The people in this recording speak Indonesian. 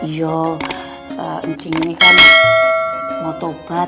yoh ncing ini kan mau tobat